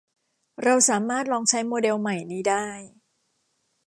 เราสามารถลองใช้โมเดลใหม่นี้ได้